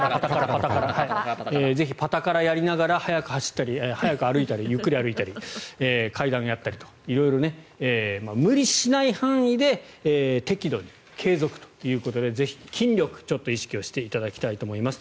ぜひパタカラをやりながら速く歩いたり、ゆっくり歩いたり階段をやったり無理しない範囲で適度に継続ということでぜひ筋力、意識をしていただきたいと思います。